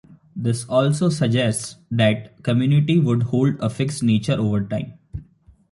This also suggests that the community would hold a fixed nature over time.